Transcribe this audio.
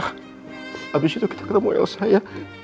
habis itu kita ketemu elsa ya